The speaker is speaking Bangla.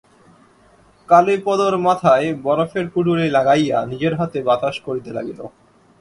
কালীপদর মাথায় বরফের পুঁটুলি লাগাইয়া নিজের হাতে বাতাস করিতে লাগিল।